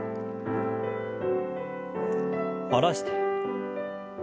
下ろして。